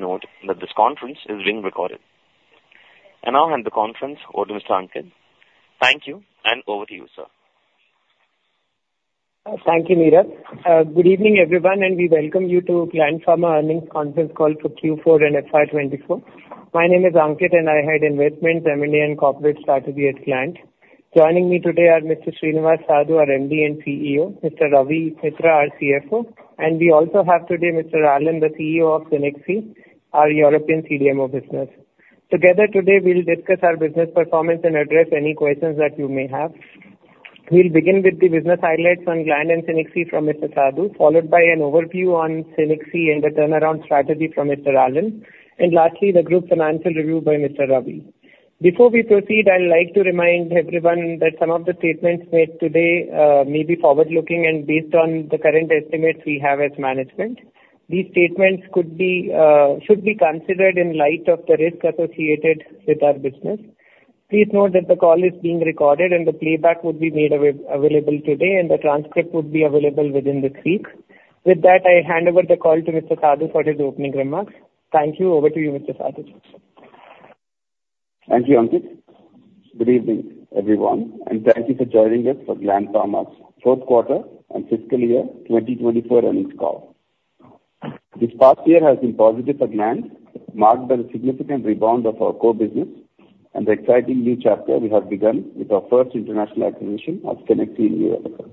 Please note that this conference is being recorded. I now hand the conference over to Mr. Ankit. Thank you, and over to you, sir. Thank you, Mira. Good evening, everyone, and we welcome you to Gland Pharma Earnings Conference Call for Q4 and FY 2024. My name is Ankit, and I head Investments, M&A, and Corporate Strategy at Gland. Joining me today are Mr. Srinivas Sadu, our MD and CEO, Mr. Ravi Mitra, our CFO, and we also have today Mr. Alain, the CEO of Cenexi, our European CDMO business. Together today, we'll discuss our business performance and address any questions that you may have. We'll begin with the business highlights on Gland and Cenexi from Mr. Sadu, followed by an overview on Cenexi and the turnaround strategy from Mr. Alain, and lastly, the group financial review by Mr. Ravi. Before we proceed, I'd like to remind everyone that some of the statements made today may be forward-looking and based on the current estimates we have as management. These statements could be should be considered in light of the risk associated with our business. Please note that the call is being recorded, and the playback will be made available today, and the transcript will be available within this week. With that, I hand over the call to Mr. Sadu for his opening remarks. Thank you. Over to you, Mr. Sadu. Thank you, Ankit. Good evening, everyone, and thank you for joining us for Gland Pharma's fourth quarter and fiscal year 2024 earnings call. This past year has been positive for Gland Pharma, marked by a significant rebound of our core business and the exciting new chapter we have begun with our first international acquisition of Cenexi in Europe.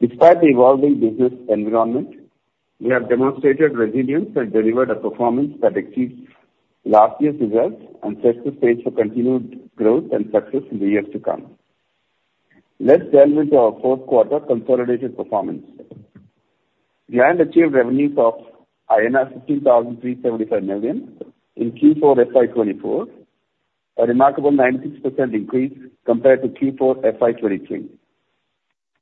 Despite the evolving business environment, we have demonstrated resilience and delivered a performance that exceeds last year's results and sets the stage for continued growth and success in the years to come. Let's delve into our fourth quarter consolidated performance. Gland Pharma achieved revenues of INR 16,375 million in Q4 FY 2024, a remarkable 19% increase compared to Q4 FY 2023.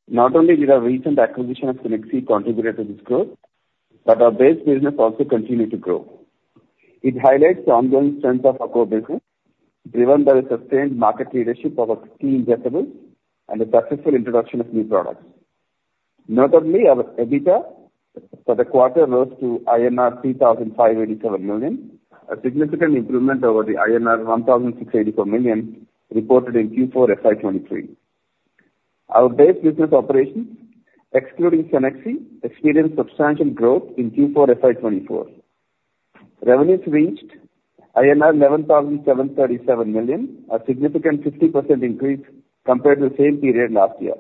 Not only did our recent acquisition of Cenexi contribute to this growth, but our base business also continued to grow. It highlights the ongoing strength of our core business, driven by the sustained market leadership of our key injectables and the successful introduction of new products. Notably, our EBITDA for the quarter rose to INR 3,587 million, a significant improvement over the INR 1,684 million reported in Q4 FY 2023. Our base business operations, excluding Cenexi, experienced substantial growth in Q4 FY 2024. Revenues reached INR 11,737 million, a significant 50% increase compared to the same period last year.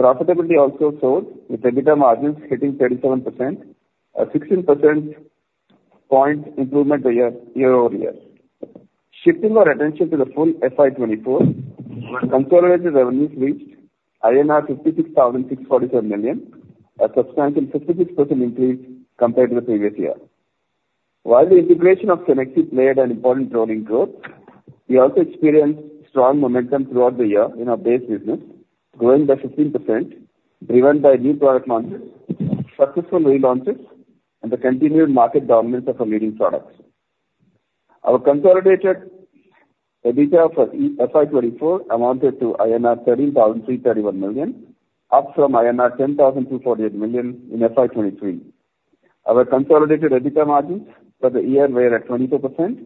Profitability also rose, with EBITDA margins hitting 37%, a 16 percentage point improvement year-over-year. Shifting our attention to the full FY 2024, our consolidated revenues reached INR 56,647 million, a substantial 56% increase compared to the previous year. While the integration of Cenexi played an important role in growth, we also experienced strong momentum throughout the year in our base business, growing by 15%, driven by new product launches, successful relaunches, and the continued market dominance of our leading products. Our consolidated EBITDA for FY 2024 amounted to INR 13,331 million, up from INR 10,248 million in FY 2023. Our consolidated EBITDA margins for the year were at 22%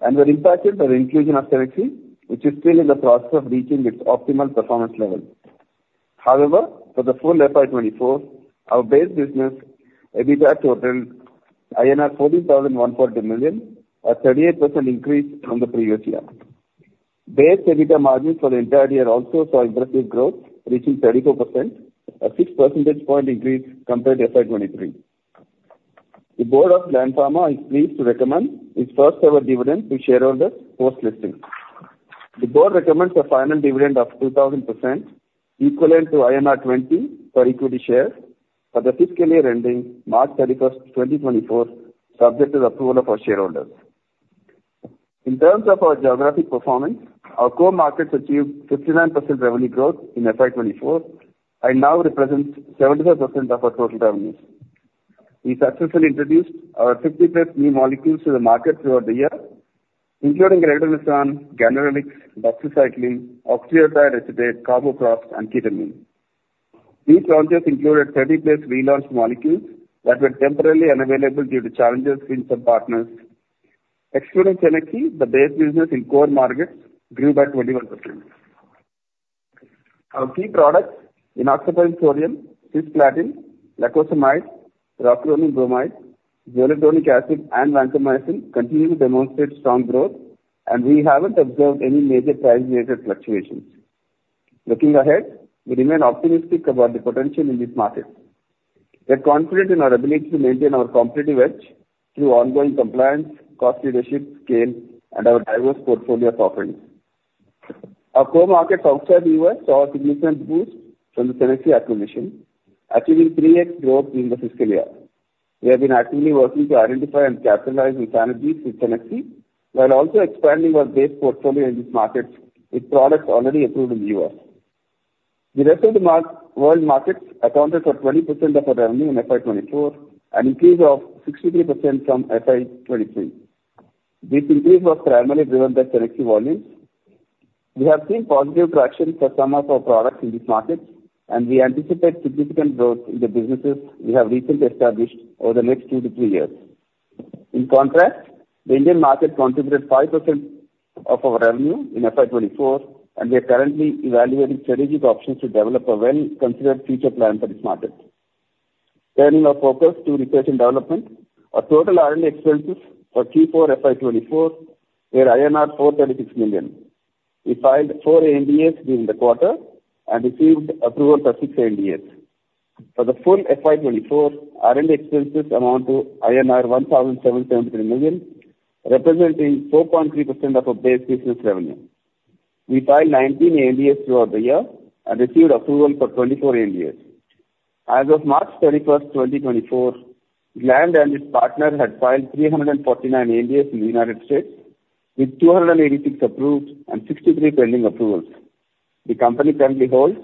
and were impacted by the inclusion of Cenexi, which is still in the process of reaching its optimal performance level. However, for the full FY 2024, our base business EBITDA totaled INR 14,140 million, a 38% increase from the previous year. Base EBITDA margins for the entire year also saw impressive growth, reaching 34%, a six percentage point increase compared to FY 2023. The Board of Gland Pharma is pleased to recommend its first-ever dividend to shareholders post-listing. The Board recommends a final dividend of 2,000%, equivalent to 20 per equity share for the fiscal year ending March 31, 2024, subject to the approval of our shareholders. In terms of our geographic performance, our core markets achieved 59% revenue growth in FY 2024 and now represents 75% of our total revenues. We successfully introduced our 50+ new molecules to the market throughout the year, including Linaclotide, Ganirelix, Buserelin, Oxybutynin, Carbocisteine, and Ketamine. These launches included 30+ relaunched molecules that were temporarily unavailable due to challenges with some partners. Excluding Cenexi, the base business in core markets grew by 21%. Our key products, Enoxaparin Sodium, Cisplatin, Levetiracetam, Ropinirole Bromide, Zoledronic Acid, and Vancomycin, continue to demonstrate strong growth, and we haven't observed any major price-related fluctuations. Looking ahead, we remain optimistic about the potential in this market. We are confident in our ability to maintain our competitive edge through ongoing compliance, cost leadership, scale, and our diverse portfolio of offerings. Our core market outside the U.S. saw a significant boost from the Cenexi acquisition, achieving 3x growth in the fiscal year. We have been actively working to identify and capitalize new synergies with Cenexi, while also expanding our base portfolio in this market with products already approved in the U.S. The rest of the world markets accounted for 20% of our revenue in FY 2024, an increase of 63% from FY 2023. This increase was primarily driven by Cenexi volumes. We have seen positive traction for some of our products in these markets, and we anticipate significant growth in the businesses we have recently established over the next 2-3 years. In contrast, the Indian market contributed 5% of our revenue in FY 2024, and we are currently evaluating strategic options to develop a well-considered future plan for this market. Turning our focus to research and development, our total R&D expenses for Q4 FY 2024 were INR 436 million. We filed 4 ANDAs during the quarter and received approval for 6 ANDAs. For the full FY 2024, R&D expenses amount to INR 1,773 million, representing 4.3% of our base business revenue. We filed 19 ANDAs throughout the year and received approval for 24 ANDAs. As of March 31, 2024, Gland and its partners had filed 349 ANDAs in the United States, with 286 approved and 63 pending approvals. The company currently holds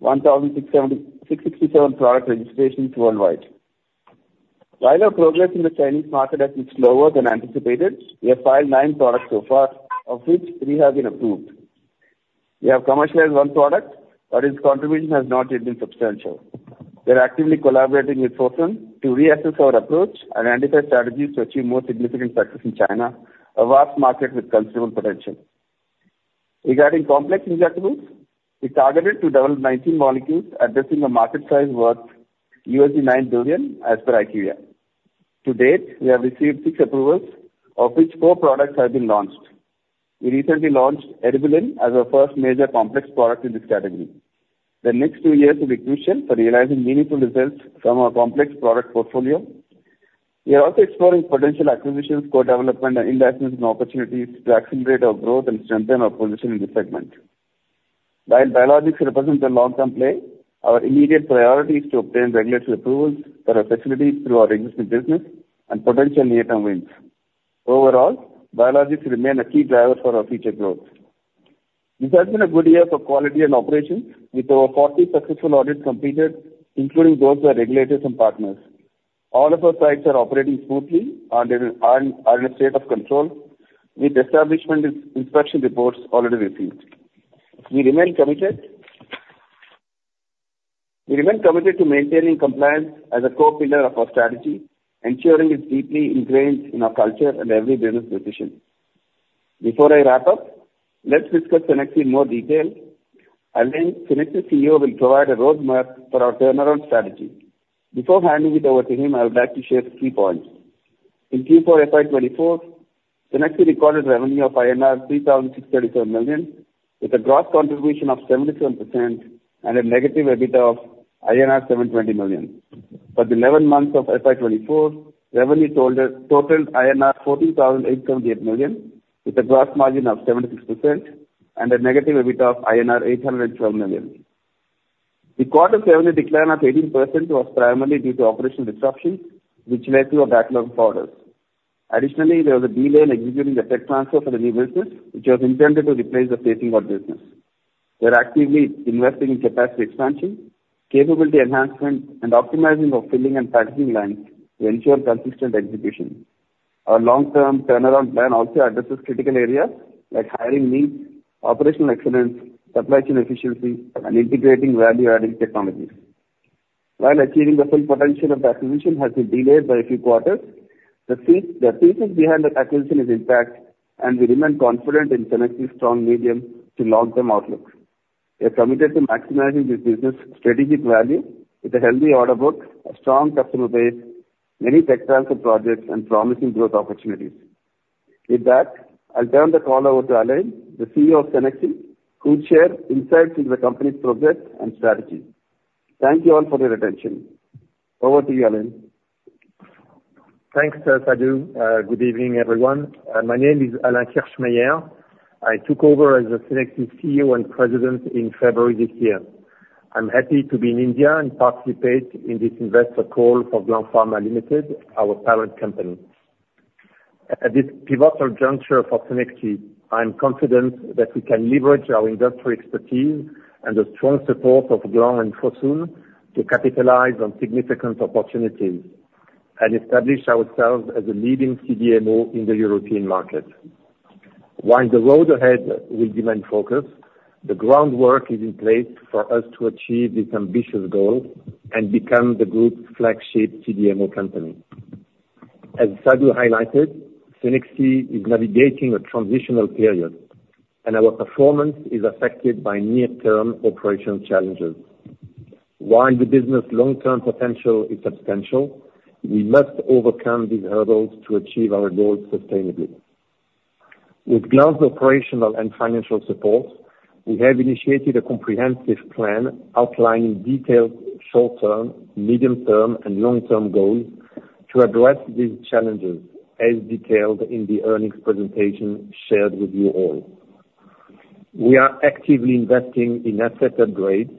1,667 product registrations worldwide. While our progress in the Chinese market has been slower than anticipated, we have filed 9 products so far, of which 3 have been approved. We have commercialized 1 product, but its contribution has not yet been substantial. We are actively collaborating with Fosun to reassess our approach and identify strategies to achieve more significant success in China, a vast market with considerable potential. Regarding complex injectables, we targeted to develop 19 molecules, addressing a market size worth $9 billion, as per IQVIA. To date, we have received 6 approvals, of which 4 products have been launched. We recently launched Eribulin as our first major complex product in this category. The next 2 years will be crucial for realizing meaningful results from our complex product portfolio. We are also exploring potential acquisitions, co-development, and in-licensing opportunities to accelerate our growth and strengthen our position in this segment. While biologics represents a long-term play, our immediate priority is to obtain regulatory approvals for our facilities through our existing business and potential near-term wins. Overall, biologics remain a key driver for our future growth. This has been a good year for quality and operations, with over 40 successful audits completed, including those by regulators and partners. All of our sites are operating smoothly and are in a state of control, with establishment inspection reports already received. We remain committed to maintaining compliance as a core pillar of our strategy, ensuring it's deeply ingrained in our culture and every business decision. Before I wrap up, let's discuss Cenexi in more detail. Alain, Cenexi's CEO, will provide a roadmap for our turnaround strategy. Before handing it over to him, I would like to share a few points. In Q4 FY 2024, Cenexi recorded revenue of INR 3,637 million, with a gross contribution of 77% and a negative EBITDA of INR 720 million. For the eleven months of FY 2024, revenue totaled INR 14,878 million, with a gross margin of 76% and a negative EBITDA of INR 812 million. The quarter's revenue decline of 18% was primarily due to operational disruptions, which led to a backlog of orders. Additionally, there was a delay in executing the tech transfer for the new business, which was intended to replace the phasing out business. We are actively investing in capacity expansion, capability enhancement, and optimizing our filling and packaging lines to ensure consistent execution. Our long-term turnaround plan also addresses critical areas like hiring needs, operational excellence, supply chain efficiency, and integrating value-adding technologies. While achieving the full potential of the acquisition has been delayed by a few quarters, the thesis behind the acquisition is intact, and we remain confident in Cenexi's strong medium to long-term outlook. We are committed to maximizing this business' strategic value with a healthy order book, a strong customer base, many tech transfer projects, and promising growth opportunities. With that, I'll turn the call over to Alain, the CEO of Cenexi, who will share insights into the company's progress and strategy. Thank you all for your attention. Over to you, Alain. Thanks, Sadu. Good evening, everyone. My name is Alain Kirchmeyer. I took over as the Cenexi CEO and President in February this year. I'm happy to be in India and participate in this investor call for Gland Pharma Limited, our parent company. At this pivotal juncture for Cenexi, I'm confident that we can leverage our industry expertise and the strong support of Gland and Fosun to capitalize on significant opportunities and establish ourselves as a leading CDMO in the European market. While the road ahead will demand focus, the groundwork is in place for us to achieve this ambitious goal and become the group's flagship CDMO company. As Sadu highlighted, Cenexi is navigating a transitional period, and our performance is affected by near-term operational challenges. While the business' long-term potential is substantial, we must overcome these hurdles to achieve our goals sustainably. With Gland's operational and financial support, we have initiated a comprehensive plan outlining detailed short-term, medium-term, and long-term goals to address these challenges, as detailed in the earnings presentation shared with you all. We are actively investing in asset upgrades,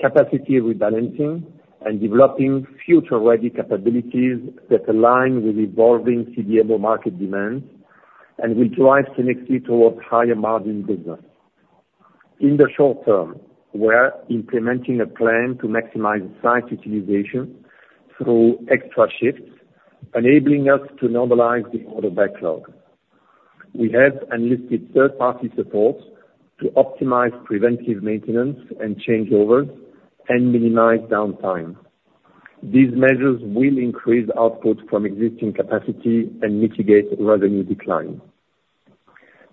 capacity rebalancing, and developing future-ready capabilities that align with evolving CDMO market demands and will drive Cenexi towards higher-margin business.... In the short term, we are implementing a plan to maximize site utilization through extra shifts, enabling us to normalize the order backlog. We have enlisted third-party support to optimize preventive maintenance and changeovers and minimize downtime. These measures will increase output from existing capacity and mitigate revenue decline.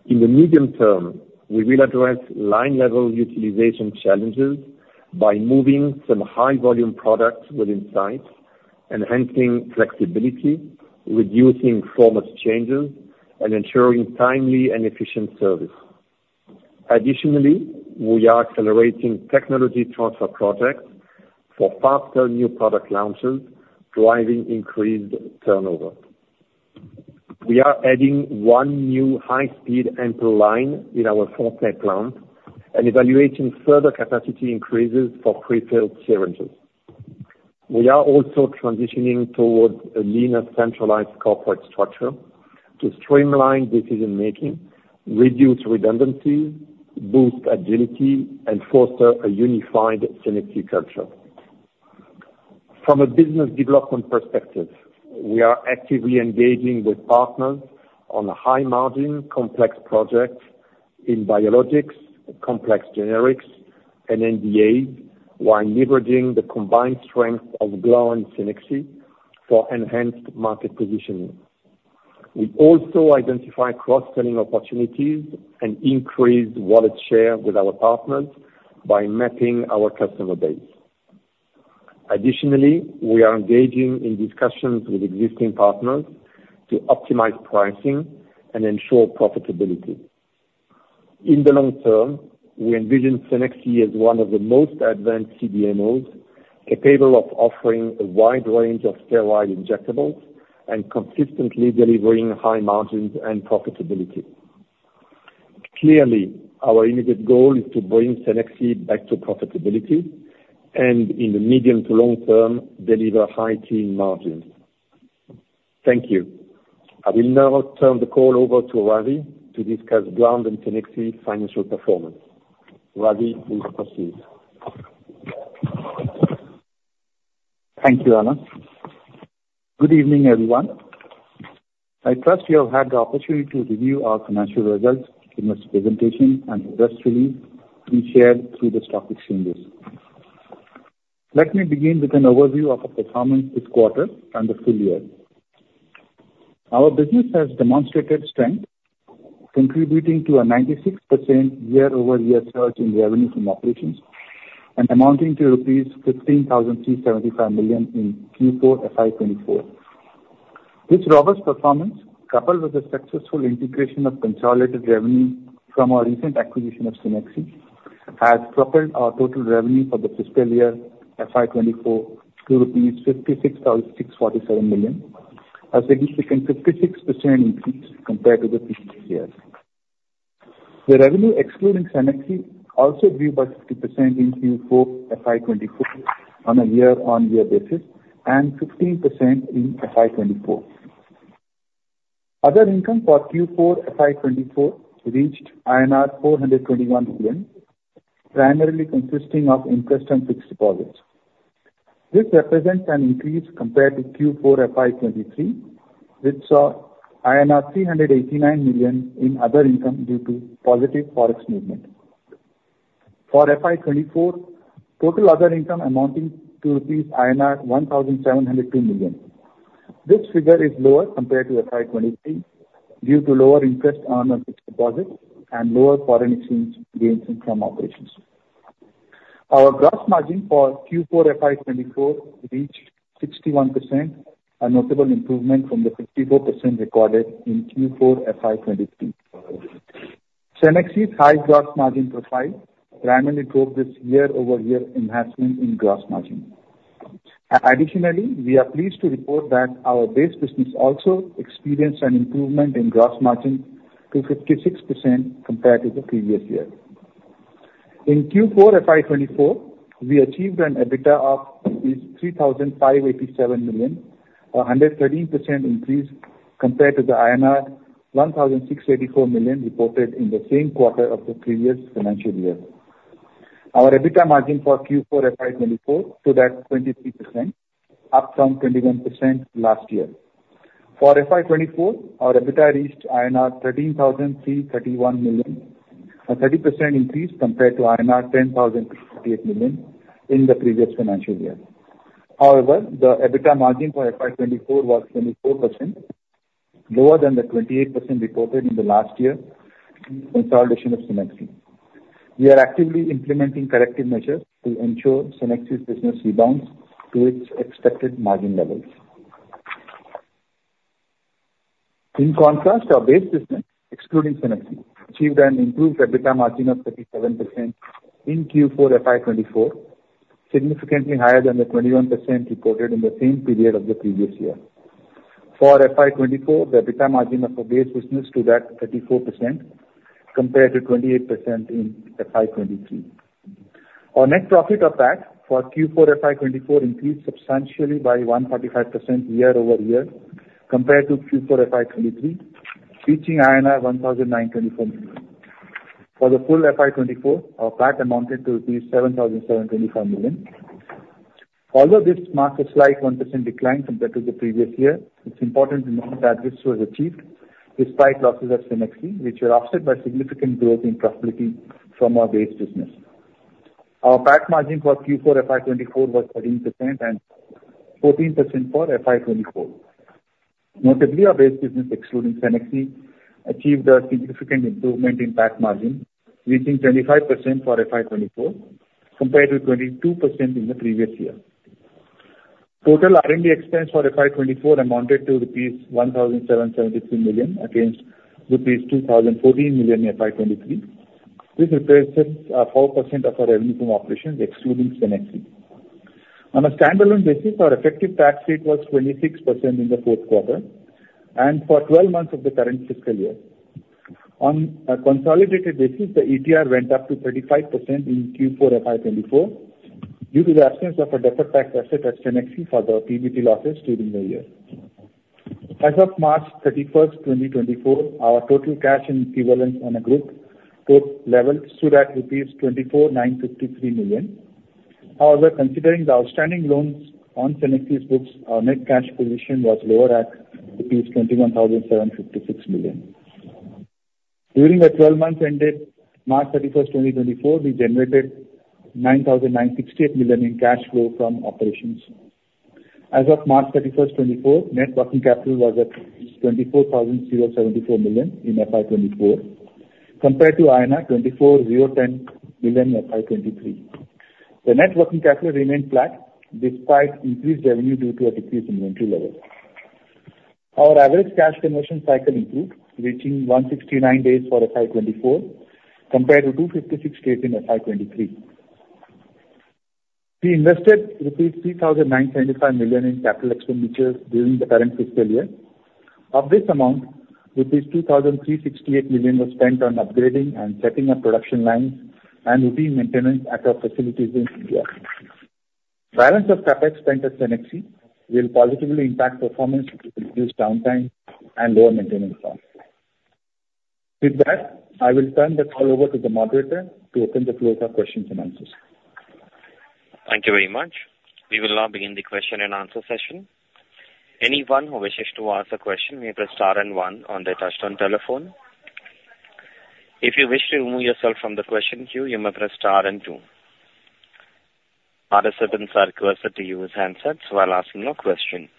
In the medium term, we will address line level utilization challenges by moving some high volume products within sites, enhancing flexibility, reducing format changes, and ensuring timely and efficient service. Additionally, we are accelerating technology transfer projects for faster new product launches, driving increased turnover. We are adding one new high-speed ampoule line in our Fontenay plant and evaluating further capacity increases for prefilled syringes. We are also transitioning towards a leaner, centralized corporate structure to streamline decision-making, reduce redundancies, boost agility and foster a unified Cenexi culture. From a business development perspective, we are actively engaging with partners on a high margin, complex projects in biologics, complex generics, and NDAs, while leveraging the combined strength of Gland Pharma and Cenexi for enhanced market positioning. We also identify cross-selling opportunities and increase wallet share with our partners by mapping our customer base. Additionally, we are engaging in discussions with existing partners to optimize pricing and ensure profitability. In the long term, we envision Cenexi as one of the most advanced CDMOs, capable of offering a wide range of sterile injectables and consistently delivering high margins and profitability. Clearly, our immediate goal is to bring Cenexi back to profitability, and in the medium to long term, deliver high teen margins. Thank you. I will now turn the call over to Ravi to discuss Gland and Cenexi financial performance. Ravi, please proceed. Thank you, Alain. Good evening, everyone. I trust you have had the opportunity to review our financial results in this presentation and press release we shared through the stock exchanges. Let me begin with an overview of the performance this quarter and the full year. Our business has demonstrated strength, contributing to a 96% year-over-year surge in revenue from operations, and amounting to 15,375 million rupees in Q4 FY 2024. This robust performance, coupled with the successful integration of consolidated revenue from our recent acquisition of Cenexi, has propelled our total revenue for the fiscal year FY 2024 to rupees 56,647 million, a significant 56% increase compared to the previous year. The revenue, excluding Cenexi, also grew by 50% in Q4 FY 2024 on a year-over-year basis, and 15% in FY 2024. Other income for Q4 FY 2024 reached INR 421 million, primarily consisting of interest and fixed deposits. This represents an increase compared to Q4 FY 2023, which saw 389 million in other income due to positive Forex movement. For FY 2024, total other income amounting to rupees 1,702 million. This figure is lower compared to FY 2023, due to lower interest on fixed deposits and lower foreign exchange gains from operations. Our gross margin for Q4 FY 2024 reached 61%, a notable improvement from the 54% recorded in Q4 FY 2023. Cenexi's high gross margin profile primarily drove this year-over-year enhancement in gross margin. Additionally, we are pleased to report that our base business also experienced an improvement in gross margin to 56% compared to the previous year. In Q4 FY 2024, we achieved an EBITDA of 3,587 million, a 113% increase compared to the INR 1,684 million reported in the same quarter of the previous financial year. Our EBITDA margin for Q4 FY 2024 stood at 23%, up from 21% last year. For FY 2024, our EBITDA reached INR 13,331 million, a 30% increase compared to INR 10,348 million in the previous financial year. However, the EBITDA margin for FY 2024 was 24%, lower than the 28% reported in the last year consolidation of Cenexi. We are actively implementing corrective measures to ensure Cenexi business rebounds to its expected margin levels. In contrast, our base business, excluding Cenexi, achieved an improved EBITDA margin of 37% in Q4 FY 2024, significantly higher than the 21% reported in the same period of the previous year. For FY 2024, the EBITDA margin of our base business stood at 34%, compared to 28% in FY 2023.... Our net profit of PAT for Q4 FY 2024 increased substantially by 145% year-over-year compared to Q4 FY 2023, reaching INR 1,924 million. For the full FY 2024, our PAT amounted to 7,725 million. Although this marks a slight 1% decline compared to the previous year, it's important to note that this was achieved despite losses at Cenexi, which were offset by significant growth in profitability from our base business. Our PAT margin for Q4 FY 2024 was 13% and 14% for FY 2024. Notably, our base business, excluding Cenexi, achieved a significant improvement in PAT margin, reaching 25% for FY 2024, compared to 22% in the previous year. Total R&D expense for FY 2024 amounted to rupees 1,772 million against rupees 2,014 million in FY 2023. This represents, four percent of our revenue from operations, excluding Cenexi. On a standalone basis, our effective tax rate was 26% in the fourth quarter, and for twelve months of the current fiscal year. On a consolidated basis, the ETR went up to 35% in Q4 FY 2024 due to the absence of a deferred tax asset at Cenexi for the PBT losses during the year. As of March 31, 2024, our total cash and equivalents on a group group level stood at 24,953 million. However, considering the outstanding loans on Cenexi's books, our net cash position was lower at 21,756 million. During the 12 months ended March 31, 2024, we generated 9,968 million in cash flow from operations. As of March 31, 2024, net working capital was at 24,074 million in FY 2024, compared to INR 24,010 million in FY 2023. The net working capital remained flat despite increased revenue due to a decrease in inventory levels. Our average cash conversion cycle improved, reaching 169 days for FY 2024, compared to 256 days in FY 2023. We invested rupees 3,975 million in capital expenditures during the current fiscal year. Of this amount, rupees 2,368 million was spent on upgrading and setting up production lines and routine maintenance at our facilities in India. Balance of CapEx spent at Cenexi will positively impact performance to reduce downtime and lower maintenance costs. With that, I will turn the call over to the moderator to open the floor for questions and answers. Thank you very much. We will now begin the question and answer session. Anyone who wishes to ask a question may press star and one on their touchtone telephone. If you wish to remove yourself from the question queue, you may press star and two. Participants are requested to use handsets while asking your question.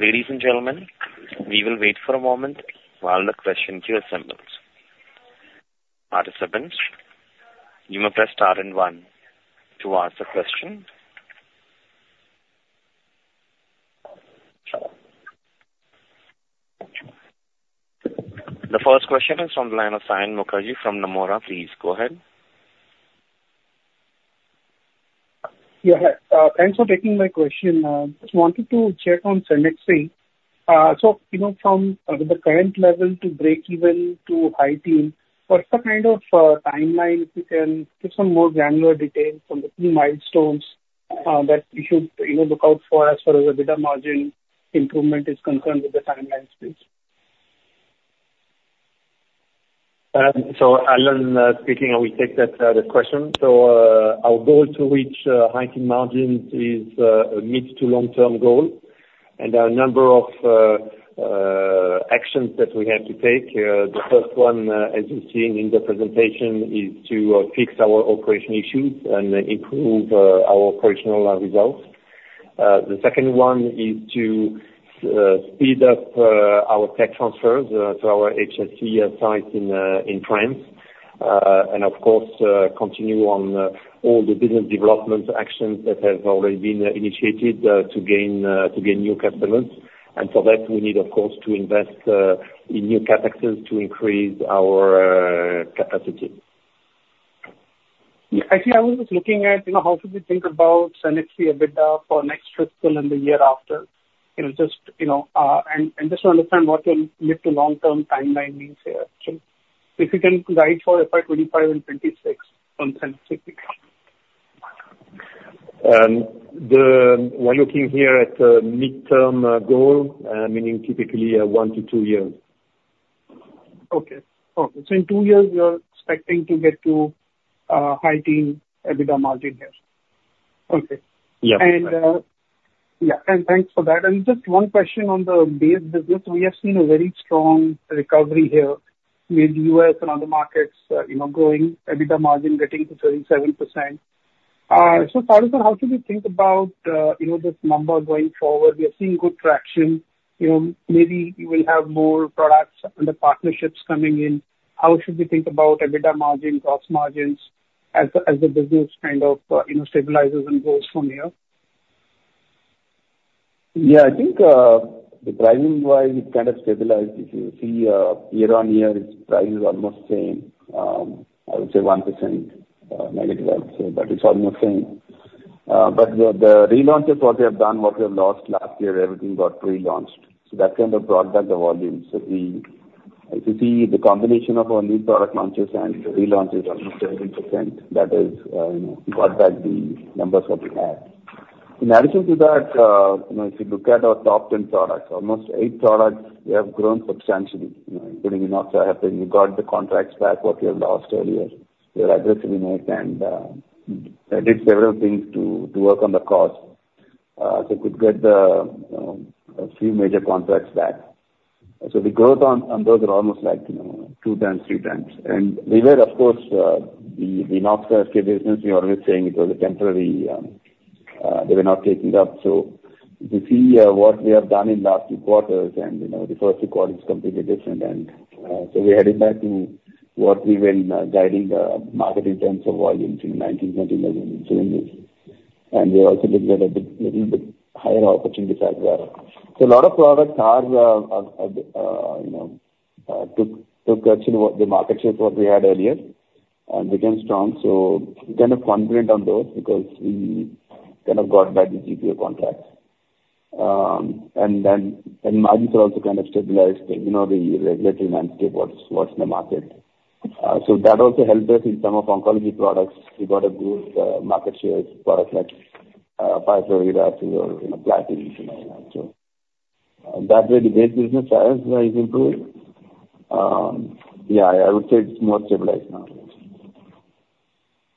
Ladies and gentlemen, we will wait for a moment while the question queue assembles. Participants, you may press star and one to ask a question. The first question is from the line of Saion Mukherjee from Nomura. Please go ahead. Yeah. Thanks for taking my question. Just wanted to check on Cenexi. So, you know, from the current level to breakeven to high teen, what's the kind of timeline, if you can give some more granular details on the key milestones, that we should, you know, look out for as far as EBITDA margin improvement is concerned with the timelines, please? So Alain, speaking, I will take that, the question. So, our goal to reach, high-teen margins is, a mid to long-term goal, and there are a number of, actions that we have to take. The first one, as you've seen in the presentation, is to, fix our operation issues and improve, our operational, results. The second one is to, speed up, our tech transfers, to our HSC, site in, in France. And of course, continue on, all the business development actions that have already been, initiated, to gain, to gain new customers. And for that, we need, of course, to invest, in new CapEx to increase our, capacity. Yeah, I think I was just looking at, you know, how should we think about Cenexi EBITDA for next fiscal and the year after? You know, just, you know, and just to understand what your mid to long-term timeline means here. So if you can guide for FY 25 and 26 on Cenexi. We're looking here at a midterm goal, meaning typically one to two years. Okay. Okay. So in two years you are expecting to get to high-teen EBITDA margin here? Okay. Yeah. Yeah, and thanks for that. Just one question on the base business. We have seen a very strong recovery here with U.S. and other markets, you know, growing, EBITDA margin getting to 37%. So Sadu, how should we think about, you know, this number going forward? We are seeing good traction, you know, maybe you will have more products and the partnerships coming in. How should we think about EBITDA margin, gross margins, as the business kind of, you know, stabilizes and goes from here? Yeah, I think, the pricing-wise, it's kind of stabilized. If you see, year-on-year, its price is almost same, I would say 1% negative, I would say, but it's almost same. But the relaunches, what we have done, what we have lost last year, everything got relaunched. So that kind of brought back the volumes. So we—if you see the combination of our new product launches and the relaunches are almost 17%, that is, you know, we got back the numbers what we had. In addition to that, you know, if you look at our top 10 products, almost eight products we have grown substantially, you know. We got the contracts back, what we have lost earlier. We are aggressive in it and, I did several things to work on the cost, so could get the a few major contracts back. So the growth on those are almost like, you know, two times, three times. We were, of course, the injectable business. We are always saying it was a temporary. They were not taking it up. So if you see what we have done in last two quarters and, you know, the first quarter is completely different. So we're heading back to what we were guiding the market in terms of volumes in '19-'20. And we're also looking at a bit, little bit higher opportunity side as well. So a lot of products are, you know, took actually what the market share from what we had earlier and became strong. So we're kind of confident on those because we kind of got back the GPO contracts. And margins are also kind of stabilized, you know, the regulatory landscape, what's in the market. So that also helped us in some of oncology products. We got a good market shares, products like, you know, platinum, you know, so. That way the base business has improved. Yeah, I would say it's more stabilized now.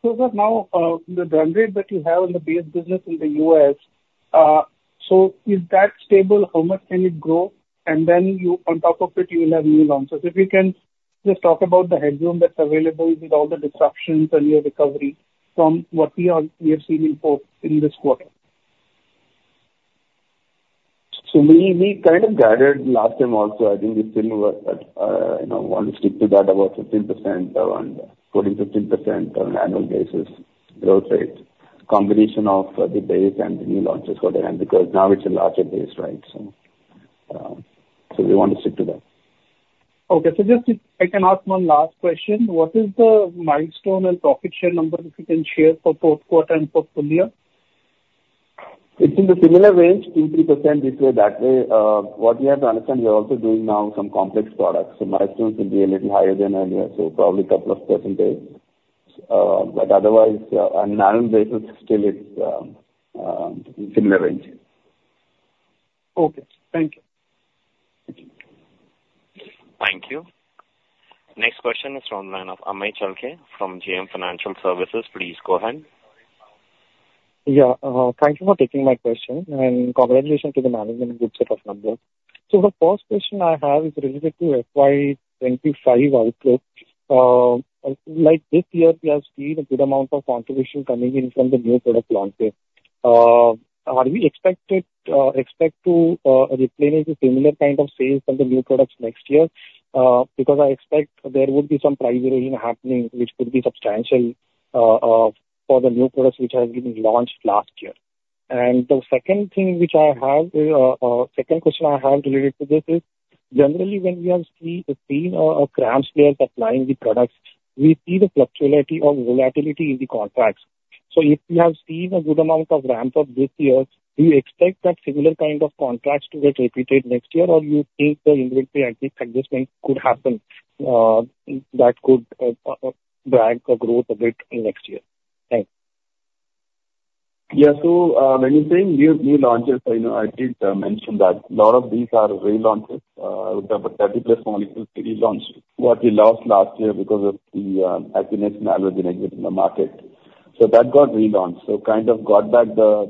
But now, the growth rate that you have in the base business in the US, so is that stable? How much can it grow? And then you on top of it, you will have new launches. If you can just talk about the headroom that's available with all the disruptions and your recovery from what we have seen before in this quarter. So we kind of guided last time also. I think we still were at, you know, want to stick to that, about 15%, around 14%-15% on annual basis growth rate. Combination of the base and the new launches for the end, because now it's a larger base, right? So we want to stick to that. Okay. Just if I can ask one last question. What is the milestone and profit share number, if you can share for fourth quarter and for full year? It's in the similar range, 2%-3% this way, that way. What you have to understand, we are also doing now some complex products, so milestones will be a little higher than earlier, so probably a couple of percentage. But otherwise, on annual basis, still it's similar range. Okay. Thank you. Thank you. Next question is from the line of Amey Chalke from JM Financial. Please go ahead. Yeah. Thank you for taking my question, and congratulations to the management. Good set of numbers. So the first question I have is related to FY 25 outlook. Like this year, we have seen a good amount of contribution coming in from the new product launches. Are we expected to replenish a similar kind of sales from the new products next year? Because I expect there would be some price range happening, which could be substantial, for the new products which have been launched last year. And the second thing which I have is, second question I have related to this is: Generally, when we have seen a CRAMS players supplying the products, we see the fluctuations or volatility in the contracts. If we have seen a good amount of ramp up this year, do you expect that similar kind of contracts to get repeated next year? Or you think the inventory adjustment could happen, that could drag the growth a bit in next year? Thanks. Yeah. So, when you're saying new, new launches, I know I did mention that a lot of these are relaunches. We have about 30+ molecules to relaunch what we lost last year because of the Athenex and Akorn exit in the market. So that got relaunched, so kind of got back the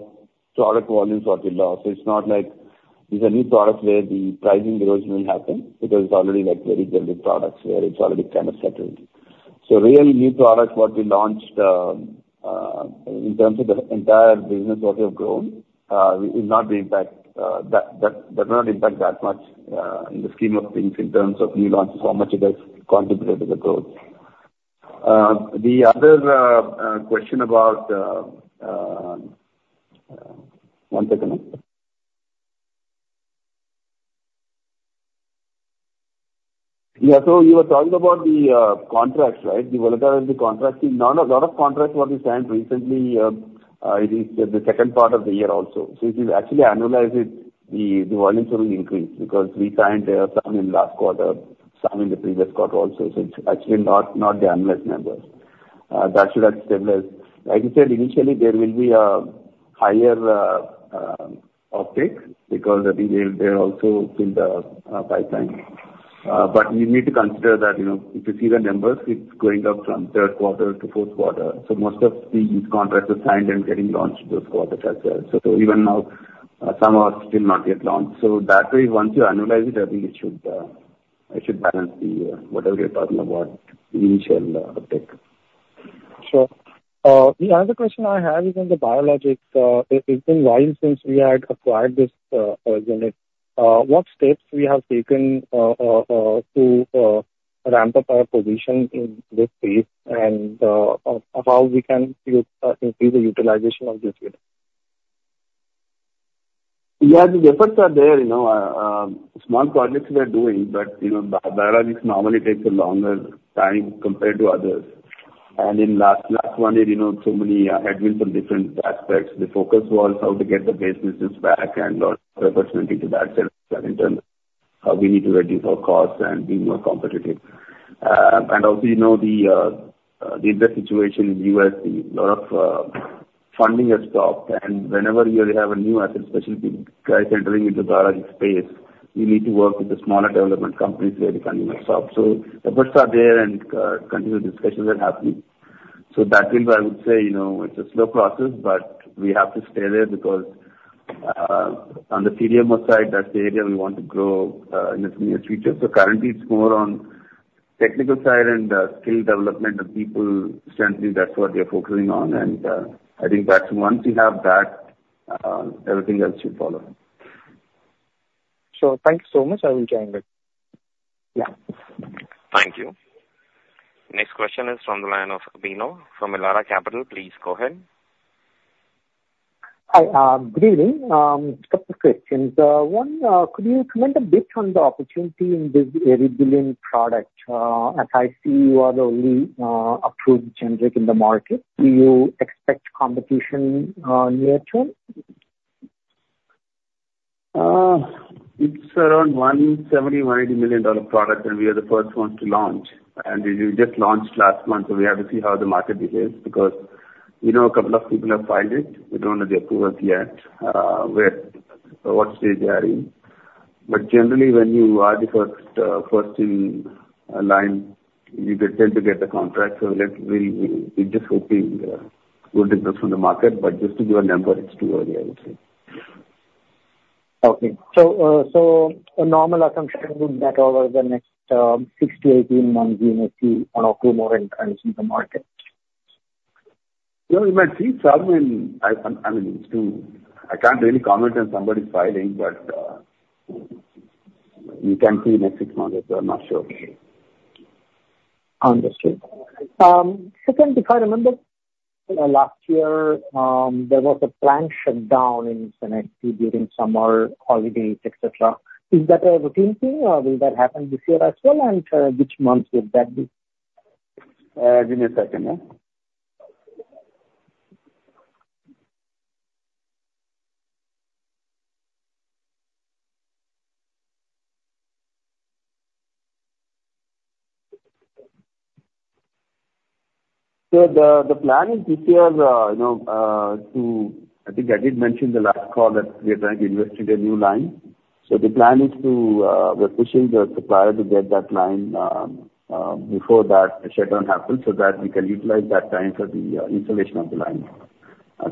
product volumes what we lost. It's not like these are new products where the pricing levels will happen because it's already like very generic products, where it's already kind of settled. So really new products, what we launched, in terms of the entire business, what we have grown, will not impact that, that, does not impact that much in the scheme of things in terms of new launches, how much it has contributed to the growth. The other question about... One second. Yeah. So you were talking about the, contracts, right? The volatility contracts. Not a lot of contracts what we signed recently, it is the second part of the year also. So if you actually annualize it, the volumes will increase because we signed some in last quarter, some in the previous quarter also. So it's actually not the annual numbers. That should have stabilized. Like you said, initially there will be a higher uptick because I think they also build a pipeline. But you need to consider that, you know, if you see the numbers, it's going up from third quarter to fourth quarter. So most of these contracts are signed and getting launched this quarter as well. So even now, some are still not yet launched. That way, once you annualize it, I think it should balance the whatever you're talking about, the initial uptick. Sure. The other question I have is on the biologics. It's been a while since we had acquired this unit. What steps we have taken to ramp up our position in this space and how we can use increase the utilization of this unit? Yeah, the efforts are there, you know, small projects we are doing, but, you know, biology normally takes a longer time compared to others. And in last one year, you know, so many headwinds from different aspects. The focus was how to get the base business back and lot efforts went into that, in terms of we need to reduce our costs and be more competitive. And also, you know, the interest situation in the U.S., a lot of funding has stopped. And whenever you have a new asset, especially guys entering into the biology space, you need to work with the smaller development companies where the funding has stopped. So efforts are there and continued discussions are happening. So that is why I would say, you know, it's a slow process, but we have to stay there because, on the CDMO side, that's the area we want to grow, in the near future. So currently it's more on technical side and, skill development of people. Currently, that's what we are focusing on, and, I think that once we have that, everything else will follow. Sure. Thank you so much. I will join that. Yeah. Thank you. Next question is from the line of Bino from Elara Capital. Please go ahead. Hi, good evening. Couple questions. One, could you comment a bit on the opportunity in this Eribulin product? As I see, you are the only approved generic in the market. Do you expect competition near term? It's around $170 million-$180 million product, and we are the first ones to launch. We just launched last month, so we have to see how the market behaves, because, you know, a couple of people have filed it. We don't have the approvals yet, where, what stage they are in. But generally, when you are the first, first in line, you tend to get the contract. So, we, we just hoping good business from the market, but just to give a number, it's too early, I would say. Okay. So, a normal assumption would be that over the next 6-18 months, we may see 1 or 2 more entrants in the market? Yeah, we might see some in... I mean, it's too. I can't really comment on somebody's filing, but you can see in the next six months, but I'm not sure. Understood. Second, if I remember, last year, there was a plant shutdown in Cenexi during summer holidays, et cetera. Is that a routine thing, or will that happen this year as well, and which months would that be? Give me a second, yeah. So the plan is this year, you know, to... I think I did mention the last call, that we are trying to invest in a new line. So the plan is to, we're pushing the supplier to get that line, before that shutdown happens, so that we can utilize that time for the installation of the line.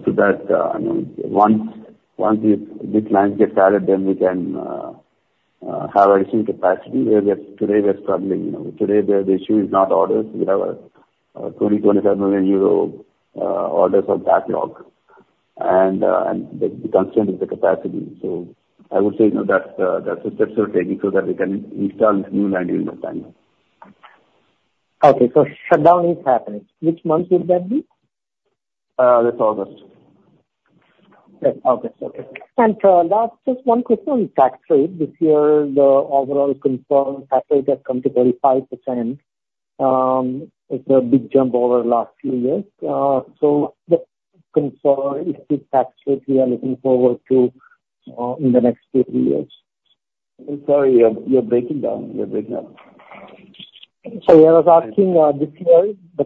So that, you know, once this line gets added, then we can have a decent capacity, where we are today we are struggling. You know, today the issue is not orders. We have a 20 million-25 million euro orders on backlog, and the concern is the capacity. I would say, you know, that's a special training so that we can install new line in the time. Okay, so shutdown is happening. Which month would that be? This August. Yeah. August, okay. And, last, just one question on tax rate. This year, the overall confirmed tax rate has come to 35%. It's a big jump over the last few years. So the concern is the tax rate we are looking forward to in the next 2-3 years? I'm sorry, you're breaking down. You're breaking up. I was asking, this year, the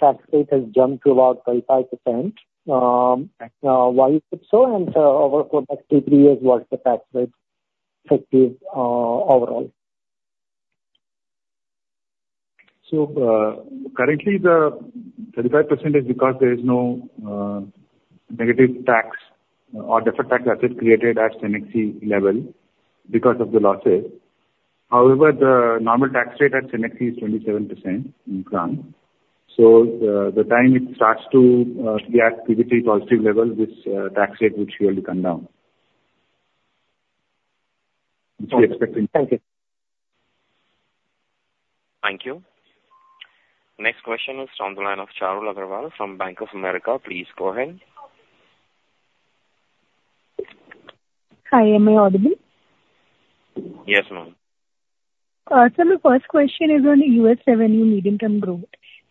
tax rate has jumped to about 35%. Why is it so? And, over for the next 2, 3 years, what's the tax rate expected, overall? So, currently the 35% is because there is no negative tax or deferred tax asset created at Cenexi level because of the losses. However, the normal tax rate at Cenexi is 27% in France. So the time it starts to be activity positive level, this tax rate would surely come down. Which we are expecting. Thank you. Thank you. Next question is from the line of Charul Agrawal from Bank of America. Please go ahead. Hi, am I audible? Yes, ma'am. So my first question is on the U.S. revenue medium-term growth.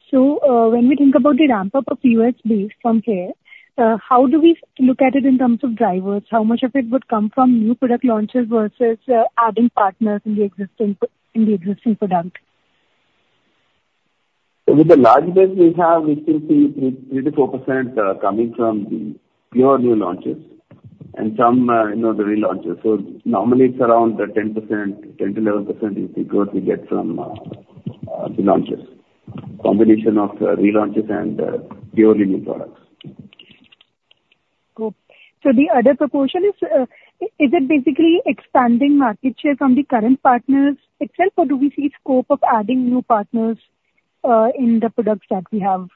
So, when we think about the ramp-up of U.S. base from here, how do we look at it in terms of drivers? How much of it would come from new product launches versus adding partners in the existing product? So with the large base we have, we still see 3%-4% coming from the pure new launches and some, you know, the relaunches. So normally it's around 10%, 10%-11% is figures we get from the launches. Combination of relaunches and purely new products. Cool. So the other proportion is it basically expanding market share from the current partners itself, or do we see scope of adding new partners, in the products that we have?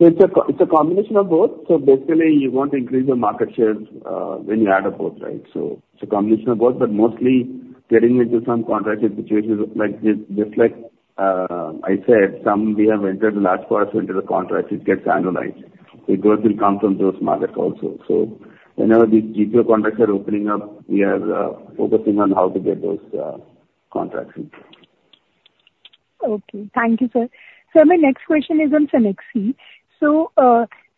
It's a combination of both. So basically, you want to increase your market share when you add up both, right? So it's a combination of both, but mostly getting into some contract situations like this, just like I said, some we have entered large parts into the contract, it gets annualized. The growth will come from those markets also. So whenever these GPO contracts are opening up, we are focusing on how to get those contracts into. Okay. Thank you, sir. Sir, my next question is on Cenexi. So,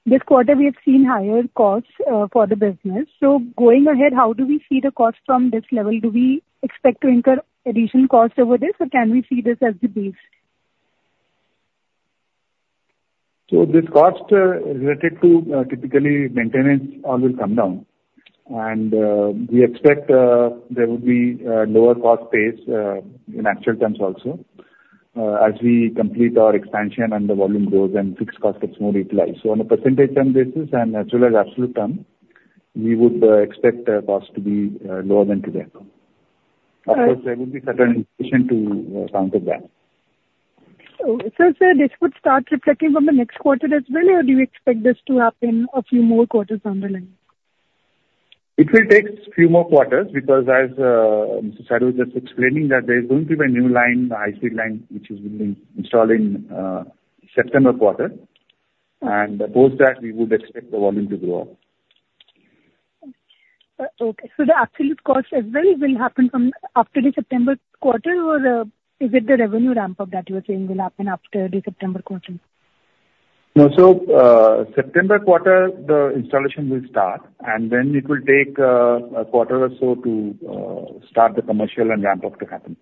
this quarter we have seen higher costs for the business. So going ahead, how do we see the cost from this level? Do we expect to incur additional costs over this, or can we see this as the base? So this cost related to typically maintenance all will come down. We expect there will be lower cost base in actual terms also as we complete our expansion and the volume grows and fixed cost gets more utilized. So on a percentage term basis and as well as absolute term, we would expect the cost to be lower than today. Of course, there will be certain inflation to counter that. Sir, this would start reflecting from the next quarter as well, or do you expect this to happen a few more quarters down the line? It will take a few more quarters because as Mr. Sadu was just explaining, there is going to be a new line, the high-speed line, which is being installed in September quarter. Post that, we would expect the volume to grow. Okay. So the absolute cost as well will happen from after the September quarter, or is it the revenue ramp-up that you are saying will happen after the September quarter? No. So, September quarter, the installation will start, and then it will take a quarter or so to start the commercial and ramp-up to happen.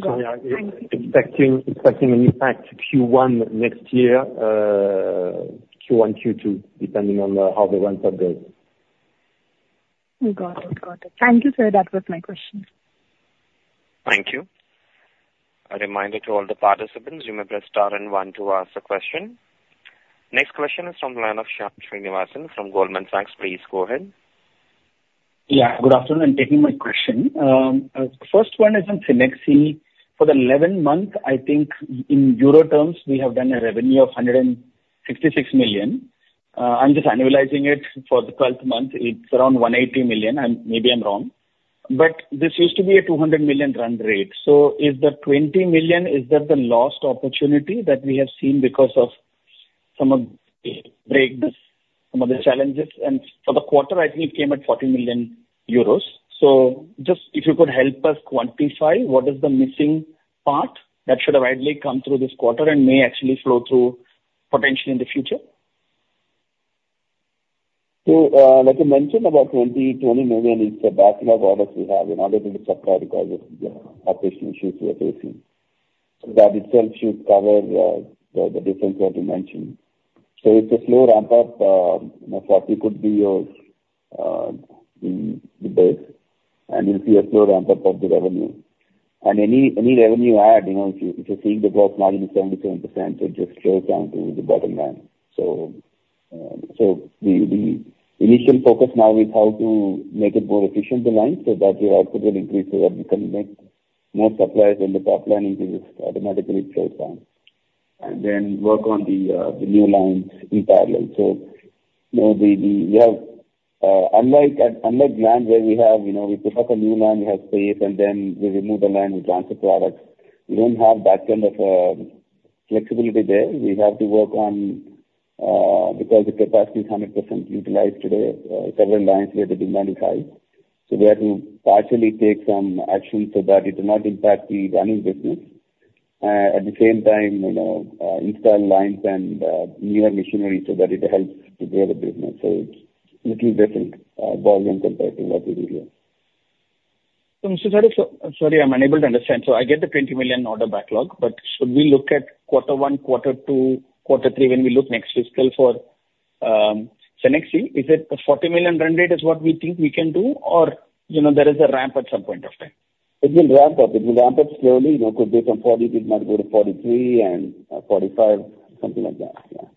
Got it. Thank you. Yeah, expecting an impact Q1 next year, Q1, Q2, depending on how the ramp-up goes. Got it. Got it. Thank you, sir. That was my questions. Thank you. A reminder to all the participants, you may press star and one to ask a question. Next question is from the line of Shyam Srinivasan from Goldman Sachs. Please go ahead. Yeah, good afternoon, and thank you for my question. First one is on Cenexi. For the 11-month, I think in EUR terms, we have done a revenue of 166 million. I'm just annualizing it for the 12th month; it's around 180 million, and maybe I'm wrong, but this used to be a 200 million run rate. So is the 20 million the lost opportunity that we have seen because of some of the breakdowns, some of the challenges? And for the quarter, I think it came at 40 million euros. So just if you could help us quantify what is the missing part that should have ideally come through this quarter and may actually flow through potentially in the future. So, like I mentioned, about 20 million is the backlog orders we have in order to supply because of the operational issues we are facing. So that itself should cover the difference that you mentioned. So it's a slow ramp-up, you know, 40 could be your base, and you'll see a slow ramp-up of the revenue. And any revenue add, you know, if you're seeing the gross margin is 77%, it just flows down to the bottom line. So the initial focus now is how to make it more efficient, the line, so that way output will increase, so that we can make more supplies and the top line increases automatically flows down, and then work on the new lines in parallel. So, you know, the... We have, unlike at, unlike Gland where we have, you know, we put up a new line, we have space, and then we remove the line, we transfer products, we don't have that kind of, flexibility there. We have to work on, because the capacity is 100% utilized today. Several lines we have a demanding high. So we have to partially take some action so that it will not impact the running business. At the same time, you know, install lines and, newer machinery so that it helps to grow the business. So it's little different, volume compared to what we do here. Mr. Sadu, sorry, I'm unable to understand. So I get the 20 million order backlog, but should we look at quarter one, quarter two, quarter three when we look next fiscal for Cenexi? Is it the 40 million run rate is what we think we can do, or you know, there is a ramp up at some point of time? It will ramp up. It will ramp up slowly, you know, could be from 40, it might go to 43 and 45, something like that. Yeah.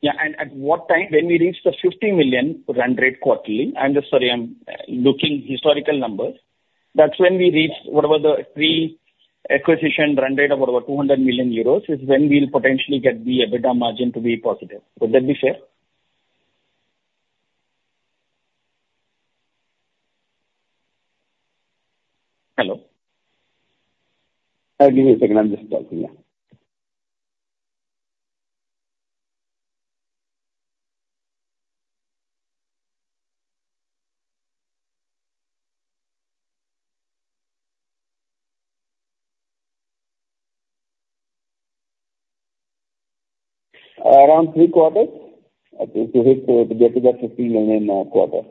Yeah. And at what time, when we reach the 50 million run rate quarterly... I'm just, sorry, I'm looking historical numbers. That's when we reach, what about the pre-acquisition run rate of over 200 million euros, is when we'll potentially get the EBITDA margin to be positive. Would that be fair? Hello? Give me a second. I'm just talking now. Around three quarters to hit to get to that INR 50 million quarter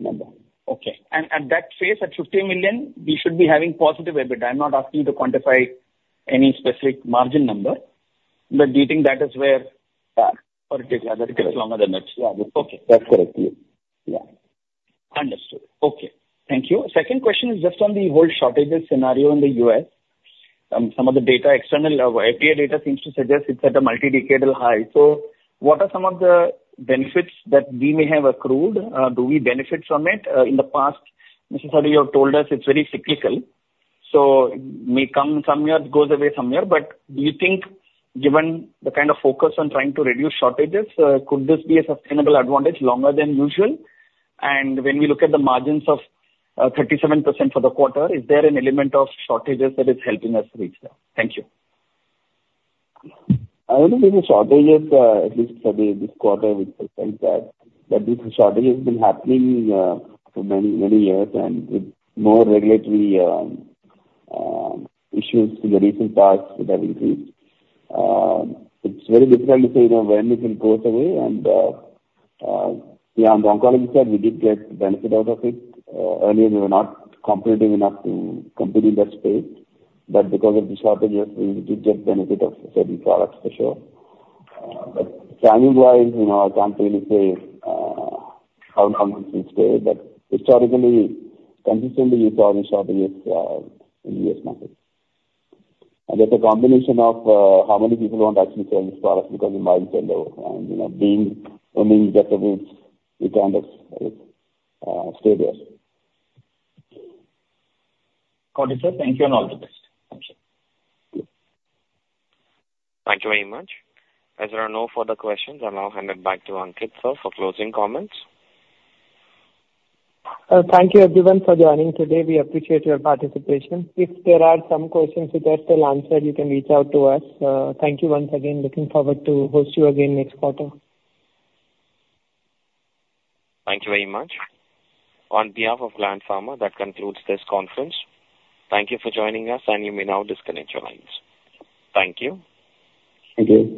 number. Okay. At that phase, at $50 million, we should be having positive EBITDA. I'm not asking you to quantify any specific margin number, but do you think that is where- Yeah. Or it takes, it takes longer than that? Yeah. Okay. That's correct. Yeah. Understood. Okay. Thank you. Second question is just on the whole shortages scenario in the U.S. Some of the data, external, API data seems to suggest it's at a multi-decadal high. So what are some of the benefits that we may have accrued? Do we benefit from it? In the past, Mr. Sadu, you have told us it's very cyclical, so may come some years, goes away some year. But do you think, given the kind of focus on trying to reduce shortages, could this be a sustainable advantage longer than usual? And when we look at the margins of 37% for the quarter, is there an element of shortages that is helping us reach there? Thank you. I think there is shortages, at least for this quarter, which suggests that this shortage has been happening, for many, many years, and with more regulatory, issues in the recent past, that increased. It's very difficult to say, you know, when it will go away. And, yeah, on the oncology side, we did get benefit out of it. Earlier we were not competitive enough to compete in that space, but because of the shortages, we did get benefit of certain products for sure. But timing-wise, you know, I can't really say, how long it will stay, but historically, consistently you saw the shortages, in the U.S. market. There's a combination of how many people want to actually sell this product because of margin and, you know, being, I mean, get the boost, it kind of stay there. Got it, sir. Thank you, and all the best. Thank you. Thank you very much. As there are no further questions, I'll now hand it back to Ankit, sir, for closing comments. Thank you everyone for joining today. We appreciate your participation. If there are some questions that are still answered, you can reach out to us. Thank you once again. Looking forward to host you again next quarter. Thank you very much. On behalf of Gland Pharma, that concludes this conference. Thank you for joining us, and you may now disconnect your lines. Thank you. Thank you.